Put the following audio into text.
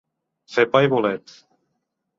Fer pa i bolet.